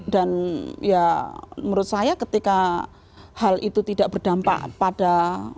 dan ya menurut saya ketika hal itu tidak berdampak pada